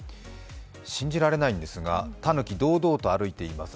信じられないんですがたぬき、堂々と歩いています。